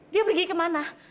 dia pergi ke mana